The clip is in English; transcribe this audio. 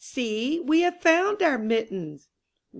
See, we have found our mittens."